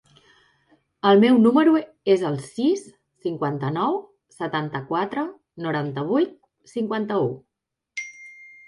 El meu número es el sis, cinquanta-nou, setanta-quatre, noranta-vuit, cinquanta-u.